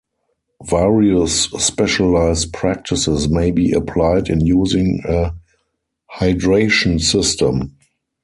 Various specialized practices may be applied in using a hydration system.